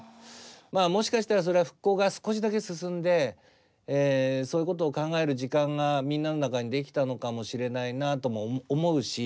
まあもしかしたらそれは復興が少しだけ進んでそういうことを考える時間がみんなの中にできたのかもしれないなとも思うし。